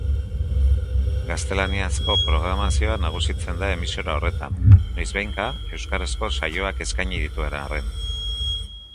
Gaztelaniazko programazioa nagusitzen da emisora horretan, noizbehinka euskarazko saioak eskaini dituen arren.